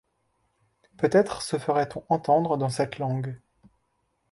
Peut-être se ferait-on entendre dans cette langue